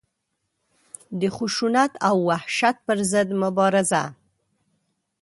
د خشونت او وحشت پر ضد مبارزه.